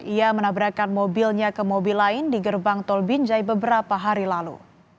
ia menabrakan mobilnya ke mobil lain di gerbang tol binjai beberapa hari lalu